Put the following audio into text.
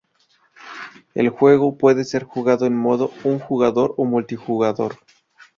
El juego puede ser jugado en modo un jugador o multijugador.